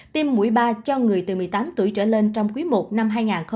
tiêm mũi ba cho người từ một mươi tám tuổi trở lên trong quý i năm hai nghìn hai mươi